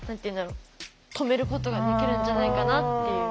止めることができるんじゃないかなっていう。